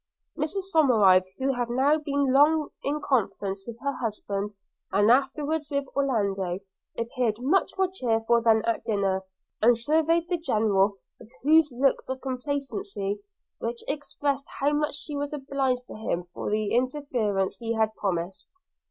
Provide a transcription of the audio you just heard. Mrs Somerive who had now been long in conference with her husband, and afterwards with Orlando, appeared much more cheerful than at dinner, and surveyed the General with those looks of complacency which expressed how much she was obliged to him for the interference he had promised.